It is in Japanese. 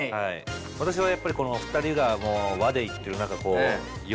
私はやっぱり２人が「和」でいってる中「洋」